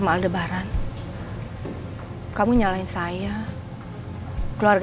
tapi buat apa mama sarah ngelakuin itu